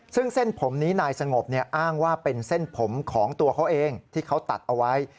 ซึ่งเส้นผมนี้นายสงบอ้างว่าเป็นเส้นผมของตัวเขาเองที่เขาตัดเอาไว้